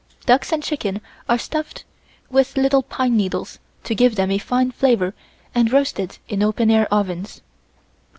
Ducks and chickens are stuffed with little pine needles to give them a fine flavor and roasted in open air ovens.